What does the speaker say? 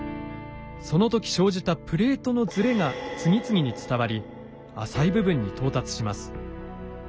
その時生じたプレートのずれが次々に伝わり浅い部分に到達します。